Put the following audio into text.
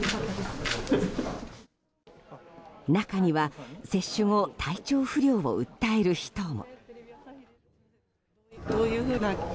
中には、接種後体調不良を訴える人も。